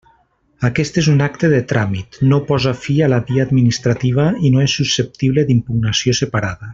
Aquest és un acte de tràmit, no posa fi a la via administrativa i no és susceptible d'impugnació separada.